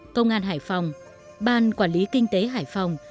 công an hải phòng ban quản lý kinh tế hải phòng